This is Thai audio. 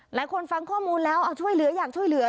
หลายคนฟังข้อมูลแล้วเอาช่วยเหลืออยากช่วยเหลือ